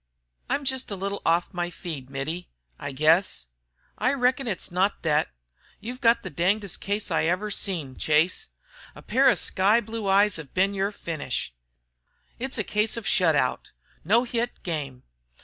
"I'm just a little off my feed, Mittie, I guess." "I reckon it's not thet. You've got the dingest case I ever seen, Chase. A pair of sky blue eyes hev been yer finish. It's a case of shut out! No hit game!